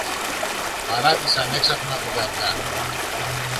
παράτησαν έξαφνα τον καβγά